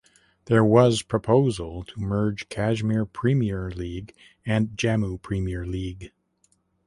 There was proposal to merge Kashmir Premier League and Jammu Premier League.